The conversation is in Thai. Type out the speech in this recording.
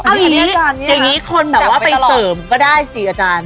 อันนี้อย่างงี้คุณแบบว่าไปเสริมก็ได้สิอาจารย์